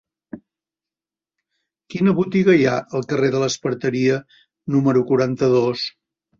Quina botiga hi ha al carrer de l'Esparteria número quaranta-dos?